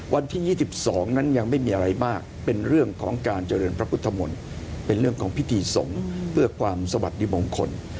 วันที่๒๒นั้นยังไม่มีอะไรมากเป็นเรื่องของการเจริญพระพุทธมนต์เป็นเรื่องของพิธีสงฆ์เพื่อความสวัสดีมงคล